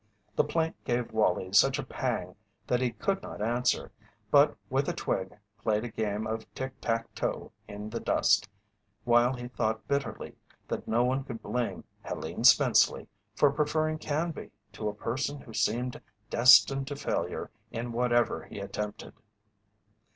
The plaint gave Wallie such a pang that he could not answer, but with a twig played a game of tick tack toe in the dust, while he thought bitterly that no one could blame Helene Spenceley for preferring Canby to a person who seemed destined to failure in whatever he attempted.